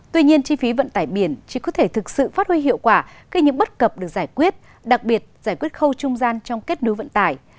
tuy nhiên chi phí vận tải biển chỉ có thể thực sự phát huy hiệu quả khi những bất cập được giải quyết đặc biệt giải quyết khâu trung gian trong kết nối vận tải